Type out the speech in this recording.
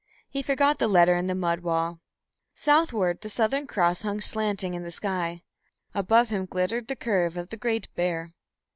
He forgot the letter in the mud wall. Southward the Southern Cross hung slanting in the sky, above him glittered the curve of the Great Bear.